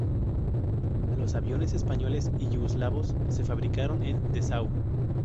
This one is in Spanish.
Los aviones españoles y yugoslavos se fabricaron en Dessau.